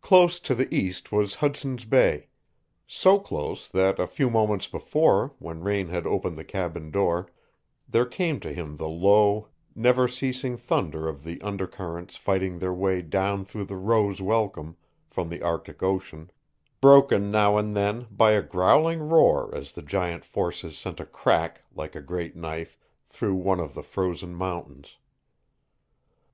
Close to the east was Hudson's Bay so close that a few moments before when Raine had opened the cabin door there came to him the low, never ceasing thunder of the under currents fighting their way down through the Roes Welcome from the Arctic Ocean, broken now and then by a growling roar as the giant forces sent a crack, like a great knife, through one of the frozen mountains.